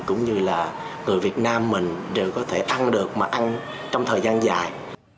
cũng như là người việt nam mình đều có thể ăn được mà ăn trong thời gian dài